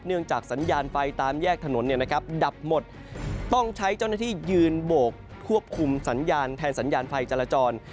จากสัญญาณไฟตามแยกถนนดับหมดต้องใช้เจ้าหน้าที่ยืนโบกควบคุมสัญญาณแทนสัญญาณไฟจรจร